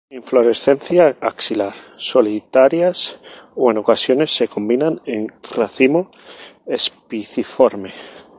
Inflorescencia axilar, solitarias o en ocasiones se combina en racimo espiciforme.